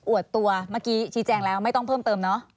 วดตัวเมื่อกี้ชี้แจงแล้วไม่ต้องเพิ่มเติมเนอะ